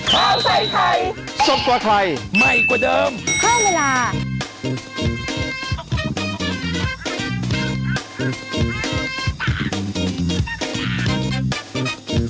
ข้าวใส่ไทยสดกว่าไทยใหม่กว่าเดิมเพิ่มเวลา